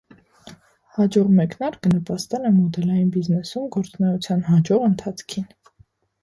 Հաջող մեկնարկը նպաստել է մոդելային բիզնեսում գործունեության հաջող ընթացքին։